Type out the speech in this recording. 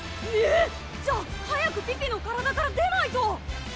えっじゃ早くピピの体から出ないと！